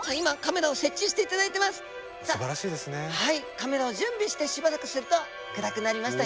カメラを準備してしばらくすると暗くなりました。